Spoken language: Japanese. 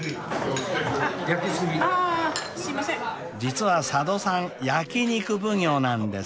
［実は佐渡さん焼き肉奉行なんです］